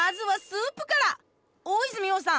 大泉洋さん